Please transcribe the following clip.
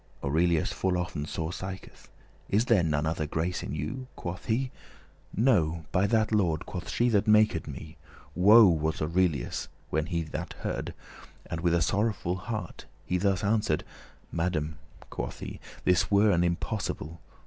Aurelius full often sore siketh;* *sigheth Is there none other grace in you?" quoth he, "No, by that Lord," quoth she, "that maked me. Woe was Aurelius when that he this heard, And with a sorrowful heart he thus answer'd. "Madame, quoth he, "this were an impossible.